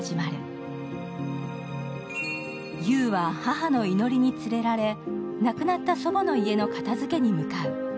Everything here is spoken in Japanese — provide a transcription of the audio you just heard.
木綿は母のいのりに連れられ亡くなった祖母の家に片づけに向かう。